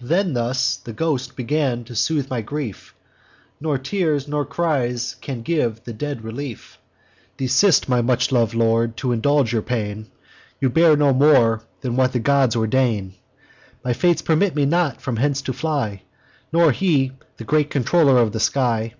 Then thus the ghost began to soothe my grief 'Nor tears, nor cries, can give the dead relief. Desist, my much lov'd lord, t' indulge your pain; You bear no more than what the gods ordain. My fates permit me not from hence to fly; Nor he, the great controller of the sky.